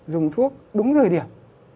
dùng thuốc đúng rời điểm